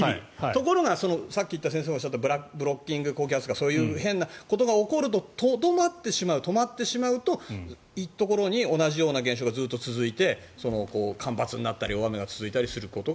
ところが、さっき先生がおっしゃったブロッキングとかそういう変なことが起こるととどまってしまう止まってしまうとひとところに同じような現象がずっと続いて干ばつや大雨が続いたりする。